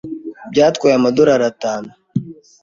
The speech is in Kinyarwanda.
Byatwaye amadorari atanu.